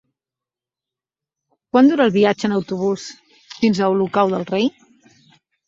Quant dura el viatge en autobús fins a Olocau del Rei?